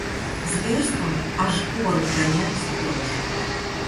Зверством – аж горы вгонялись в дрожь.